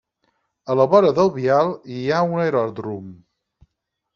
A la vora del vial hi ha un aeròdrom.